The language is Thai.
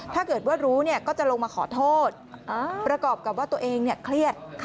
ถ้าเกิดว่ารู้ก็จะลงมาขอโทษประกอบกับว่าตัวเองเครียด